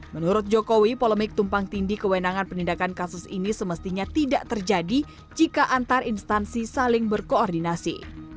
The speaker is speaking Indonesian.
menurut jokowi polemik tumpang tindi kewenangan penindakan kasus ini semestinya tidak terjadi jika antar instansi saling berkoordinasi